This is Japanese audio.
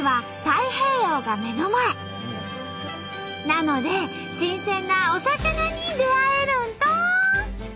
なので新鮮なお魚に出会えるんと！